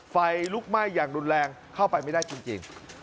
ไฟลุกไหม้อย่างรุนแรงเข้าไปไม่ได้จริง